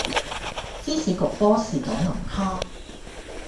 芝士焗波士頓龍蝦